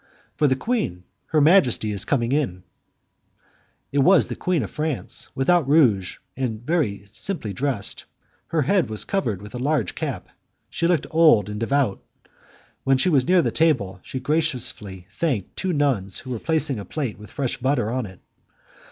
"For the queen. Her majesty is now coming in." It was the queen of France, without rouge, and very simply dressed; her head was covered with a large cap; she looked old and devout. When she was near the table, she graciously thanked two nuns who were placing a plate with fresh butter on it.